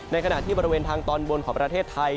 ขณะที่บริเวณทางตอนบนของประเทศไทย